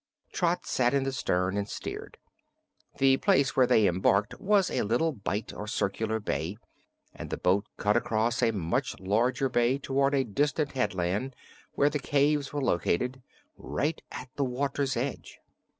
Trot sat in the stern and steered. The place where they embarked was a little bight or circular bay, and the boat cut across a much larger bay toward a distant headland where the caves were located, right at the water's edge.